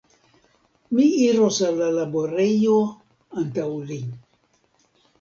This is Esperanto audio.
Mi iros al la laborejo antaŭ li.